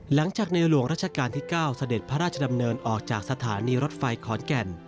หลังจากในหลวงราชการที่๙เสด็จพระราชดำเนินออกจากสถานีรถไฟขอนแก่น